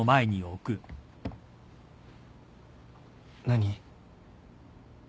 何？